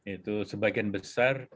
itu sebagian besar